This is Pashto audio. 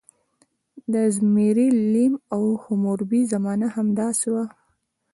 د زیمري لیم او حموربي زمانه همداسې وه.